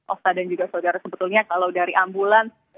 osa dan juga saudara sebetulnya kalau dari ambulans